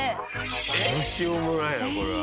どうしようもないなこれは。